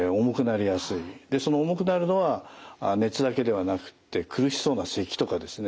でその重くなるのは熱だけではなくって苦しそうなせきとかですね